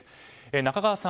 中川さん